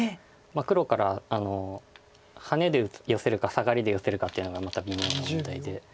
黒からハネでヨセるかサガリでヨセるかっていうのがまた微妙な問題で。